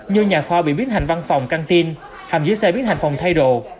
như nhà kho bị biến hành văn phòng canteen hầm dưới xe biến hành phòng thay đồ